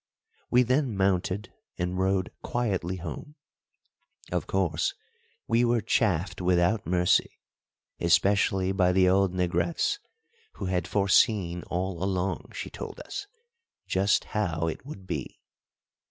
We then mounted and rode quietly home. Of course, we were chaffed without mercy, especially by the old negress, who had foreseen all along, she told us, just how it would be.